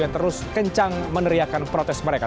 yang terus kencang meneriakan protes mereka